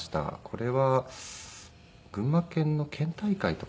これは群馬県の県大会とかでしたかね。